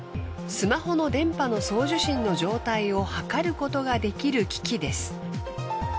スマホの電波の送受信の状態をはかることができる機器です。